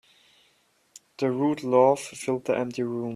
The rude laugh filled the empty room.